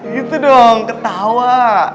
gitu dong ketawa